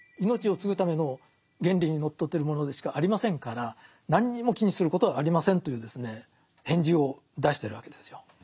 命を継ぐための原理にのっとってるものでしかありませんから何にも気にすることはありませんという返事を出してるわけですよ。